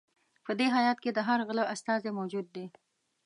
په دې هیات کې د هر غله استازی موجود دی.